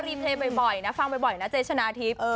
รีมเทบบ่อยนะฟังบ่อยนะเจ๊ชนะทิพย์